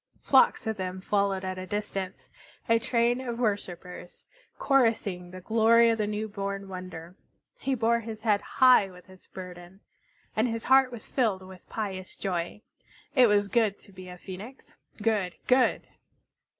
Flocks of them followed at a distance, a train of worshipers, chorusing the glory of the new born wonder. He bore his head high with its burden, and his heart was filled with pious joy. It was good to be a Phoenix, good, good!